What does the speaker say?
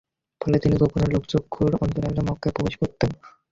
ফলে তিনি গোপনে, লোকচক্ষুর অন্তরালে মক্কায় প্রবেশ করতেন।